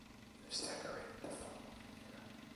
He was decorated the following year.